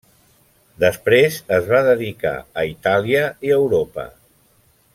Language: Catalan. Després es va dedicar a Itàlia i Europa.